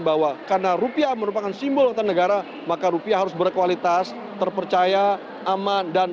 bahwa karena rupiah merupakan simbol utang negara maka rupiah harus berkualitas terpercaya aman dan